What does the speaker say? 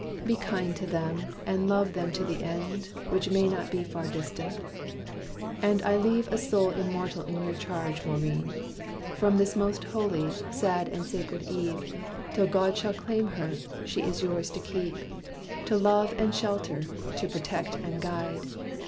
Be kind to them, and love them to the end, Which may not be far distant. And I leave A soul immortal in your charge, Maurine. From this most holy, sad and sacred eve, Till God shall claim her, she is yours to keep, To love and shelter, to protect and guide."